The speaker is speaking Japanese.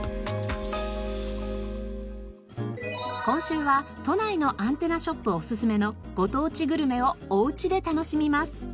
今週は都内のアンテナショップおすすめのご当地グルメをおうちで楽しみます。